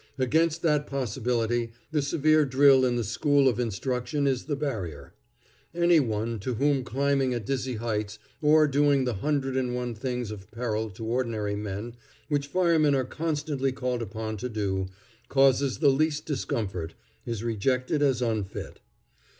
Against that possibility the severe drill in the school of instruction is the barrier. Any one to whom climbing at dizzy heights, or doing the hundred and one things of peril to ordinary men which firemen are constantly called upon to do, causes the least discomfort, is rejected as unfit.